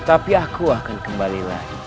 tapi aku akan kembali lagi